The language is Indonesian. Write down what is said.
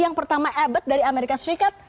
yang pertama abed dari amerika serikat